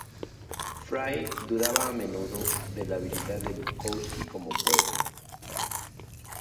Frye dudaba a menudo de la habilidad de Bukowski como poeta.